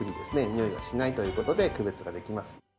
においはしないという事で区別ができます。